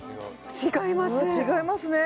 違いますね